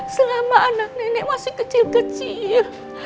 selama anak nenek masih kecil kecil